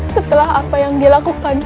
setelah apa yang dia lakukan